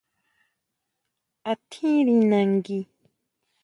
¿A tjiri nangui?